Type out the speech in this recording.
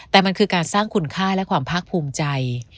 แต่มันคือการสร้างคุณค่าและความภาคภูมิใจ